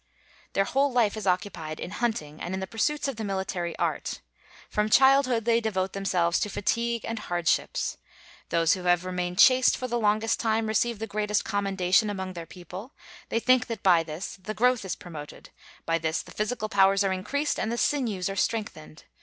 Their whole life is occupied in hunting and in the pursuits of the military art; from childhood they devote themselves to fatigue and hardships. Those who have remained chaste for the longest time receive the greatest commendation among their people; they think that by this the growth is promoted, by this the physical powers are increased and the sinews are strengthened.